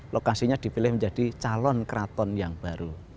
lokasinya dipilih menjadi calon keraton yang baru